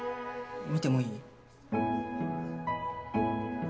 見てもいい？